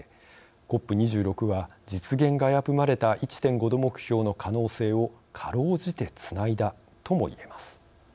ＣＯＰ２６は実現が危ぶまれた１．５℃目標の可能性をかろうじてつないだともいえます。